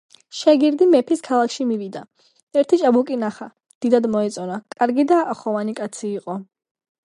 შეგირდი მეფის ქალაქში მივიდა. ერთი ჭაბუკი ნახა, დიდად მოეწონა, კარგი და ახოვანი კაცი იყო